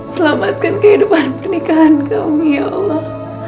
selamatkan kehidupan pernikahan kau ya allah